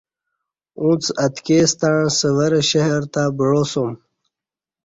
اُݩڅ اتکی ستݩع سورہ شہر تہ بعا سُوم